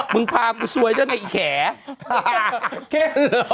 มึงภาพกูสวยแบบไงไอ้แขน